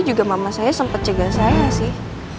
juga mama saya sempet jaga saya sih